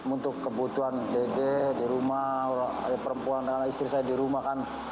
untuk kebutuhan dede di rumah perempuan dan anak istri saya di rumah kan